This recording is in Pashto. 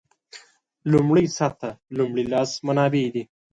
لومړۍ سطح لومړي لاس منابع دي.